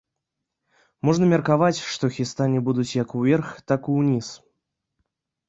Можна меркаваць, што хістанні будуць як уверх, так ўніз.